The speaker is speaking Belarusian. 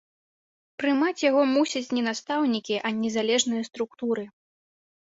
Прымаць яго мусяць не настаўнікі, а незалежныя структуры.